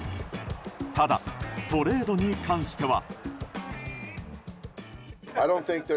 ただ、トレードに関しては。